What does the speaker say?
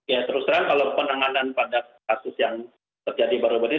ya terus terang kalau penanganan pada kasus yang terjadi baru baru ini